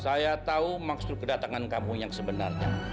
saya tahu maksud kedatangan kamu yang sebenarnya